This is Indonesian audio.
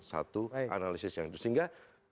satu analisis yang itu sehingga